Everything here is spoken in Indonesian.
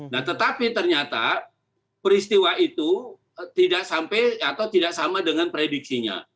nah tetapi ternyata peristiwa itu tidak sampai atau tidak sama dengan prediksinya